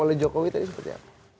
oleh jokowi tadi seperti apa